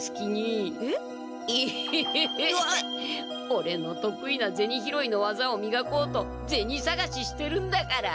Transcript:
オレのとくいなゼニ拾いのわざをみがこうとゼニさがししてるんだから！